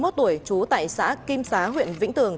ba mươi một tuổi trú tại xã kim xá huyện vĩnh tường